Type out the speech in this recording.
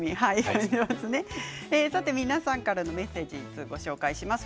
皆さんからのメッセージご紹介します。